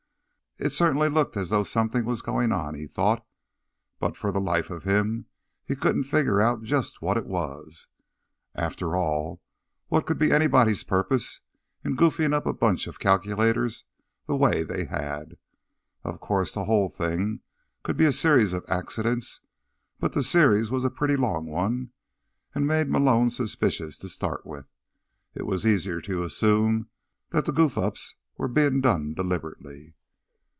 It certainly looked as though something were going on, he thought. But, for the life of him, he couldn't figure out just what it was. After all, what could be anybody's purpose in goofing up a bunch of calculators the way they had? Of course, the whole thing could be a series of accidents, but the series was a pretty long one, and made Malone suspicious to start with. It was easier to assume that the goof ups were being done deliberately.